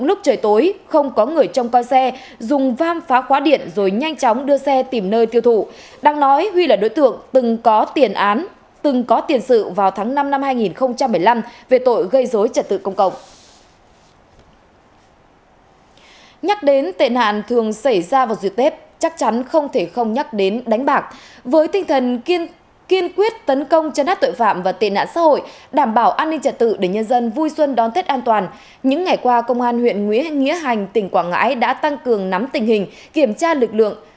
những ngày qua công an huyện nghĩa hành tỉnh quảng ngãi đã tăng cường nắm tình hình kiểm tra lực lượng